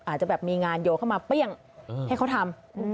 อาจจะแบบมีงานโยเข้ามาเปรี้ยงให้เขาทำ